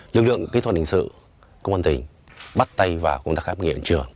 lực lượng kỹ thuật hình sự công an tỉnh bắt tay vào công tác hạp nghiện trường